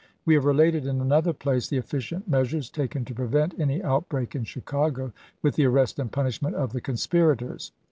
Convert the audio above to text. We have related in another place the efficient measures taken to prevent any outbreak in Chicago, with the arrest and punishment of the conspirators.